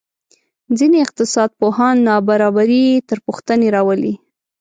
ځینې اقتصادپوهان نابرابري تر پوښتنې راولي.